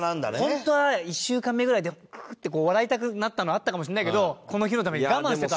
本当は１週間目ぐらいで「ククッ」って笑いたくなったのあったかもしれないけどこの日のために我慢してた。